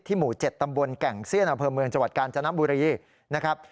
หมู่๗ตำบลแก่งเซียนอำเภอเมืองจังหวัดกาญจนบุรีนะครับ